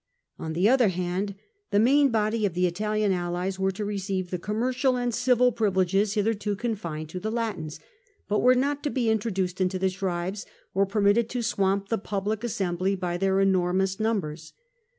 On the other hand, the main body of the Italian allies were to receive the commercial and civil privileges hitherto confined to the Latins, but were not to be introduced into the tribes, or permitted to swamp the public assembly by their enor mous numbers.